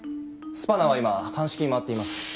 スパナは今鑑識に回っています。